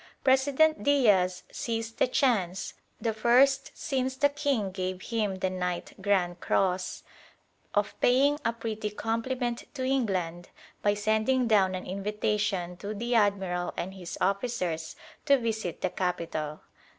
President Diaz seized the chance, the first since the King gave him the G.C.B., of paying a pretty compliment to England by sending down an invitation to the admiral and his officers to visit the capital.